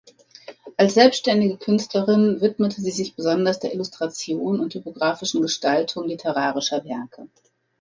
Als selbstständige Künstlerin widmete sie sich besonders der Illustration und typografischen Gestaltung literarischer Werke.